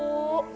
ya allah ibu